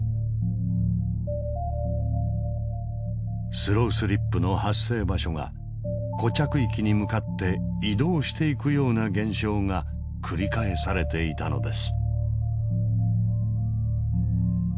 スロースリップの発生場所が固着域に向かって移動していくような現象が繰り返されていたのです。